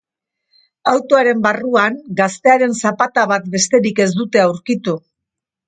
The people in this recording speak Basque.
Autoaren barruan, gaztearen zapata bat besterik ez dute aurkitu.